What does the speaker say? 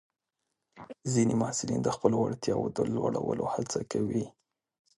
ځینې محصلین د خپلو وړتیاوو د لوړولو هڅه کوي.